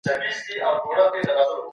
خپل فکرونه به په منظم ډول لیکئ.